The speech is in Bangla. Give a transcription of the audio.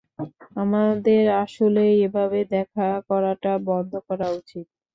আমাদের আসলেই এভাবে দেখা করাটা বন্ধ করা উচিত।